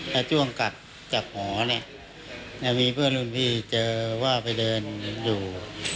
แล้วช่วงกลับจากหอเนี่ยมีเพื่อนรุ่นพี่เจอว่าไปเดินอยู่